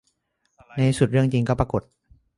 ในที่สุดเรื่องจริงก็ปรากฏ